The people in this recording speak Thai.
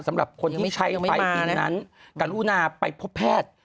สำหรับคนที่ใช้ไฟดินนั้นกรุณาไปพบแพทย์